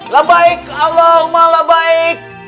labaik allahumma labaik